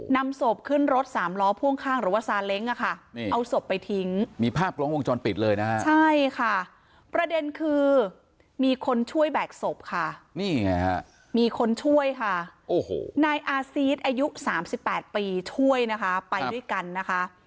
นำศพขึ้นรถ๓ล้อพ่วงข้างหรือว่าทราเล้ง